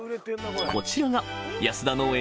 こちらが安田農園